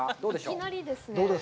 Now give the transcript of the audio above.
いきなりですね！